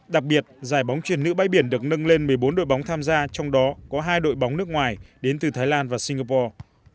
đặc biệt giải bóng truyền nữ bãi biển được nâng lên một mươi bốn đội bóng tham gia trong đó có hai đội bóng nước ngoài đến từ thái lan và singapore